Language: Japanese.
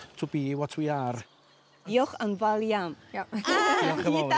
あ言えた。